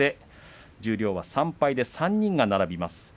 十両は、３敗で３人が並びます。